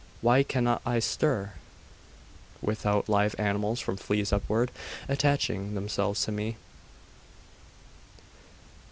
Why cannot I stir, without live animals, from fleas upward, attaching themselves to me?